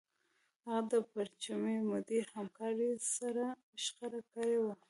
هغه د پرچمي مدیر همکار سره شخړه کړې وه